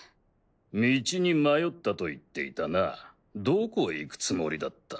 道に迷ったと言っていたなどこへ行くつもりだった？